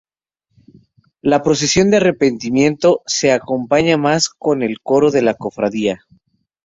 La Procesión de Arrepentimiento se acompaña además con el coro de la Cofradía.